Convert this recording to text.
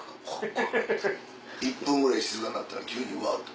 １分ぐらい静かになったら急にうわ！っと。